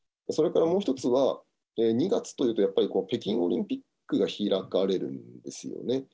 それからもう一つは、２月というと、やっぱり北京オリンピックが開かれるんですよね。